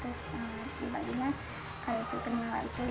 kalau si mela itu lima ratus jadi tiga ratus